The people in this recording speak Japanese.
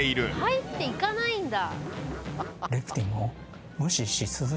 入っていかないんだ。